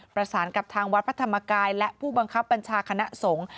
ประสานกับทางวัดพระธรรมกายและผู้บังคับบัญชาคณะสงฆ์